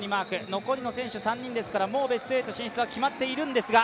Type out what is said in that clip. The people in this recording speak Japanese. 残りの選手３人ですから、もうベスト８進出は決まっているんですが。